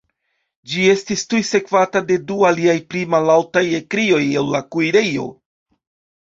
Ĝi estis tuj sekvata de du aliaj pli mallaŭtaj ekkrioj el la kuirejo.